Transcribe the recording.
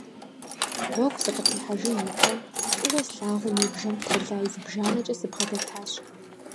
Гъуэгу сыкъытехьэжын и пэ фӀыуэ слъагъум и бжэм тэлай зыбжанэкӀэ сыбгъэдэтащ.